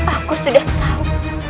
aku sudah tahu